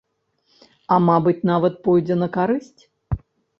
А, мабыць, нават пойдзе на карысць.